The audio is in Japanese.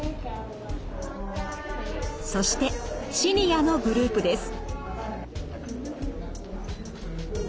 そしてシニアのグループです。